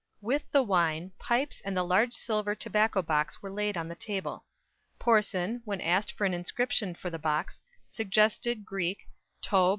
With the wine, pipes and the large silver tobacco box were laid on the table. Porson, when asked for an inscription for the box, suggested "Τῷ βακχῳ."